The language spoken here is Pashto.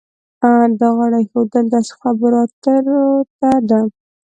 دا غاړه ایښودل داسې خبرو اترو ته ده.